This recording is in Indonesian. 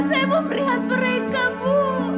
saya mau melihat mereka bu